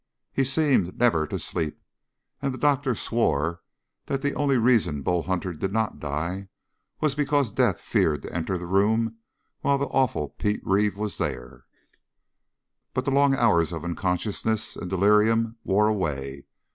He seemed never to sleep, and the doctor swore that the only reason Bull Hunter did not die was because death feared to enter the room while the awful Reeve was there. But the long hours of unconsciousness and delirium wore away.